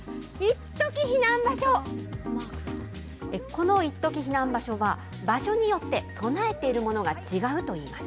このいっとき避難場所は、場所によって備えているものが違うといいます。